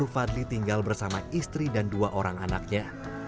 fadli tinggal bersama istri dan dua orang anaknya